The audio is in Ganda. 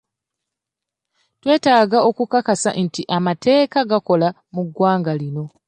Twetaaga okukakasa nti amateeka gakola mu ggwanga lino.